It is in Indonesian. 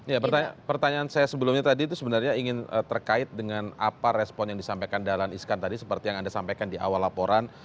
ya pertanyaan saya sebelumnya tadi itu sebenarnya ingin terkait dengan apa respon yang disampaikan dahlan iskan tadi seperti yang anda sampaikan di awal laporan